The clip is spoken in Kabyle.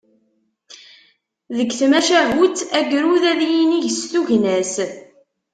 Deg tmacahut, agrud ad yinig s tugna-s.